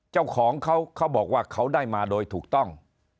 เจ้าของเขาเขาบอกว่าเขาได้มาโดยถูกต้อง